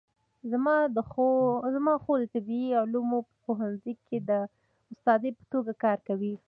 زما خور د طبي علومو په پوهنځي کې د استادې په توګه کار کوي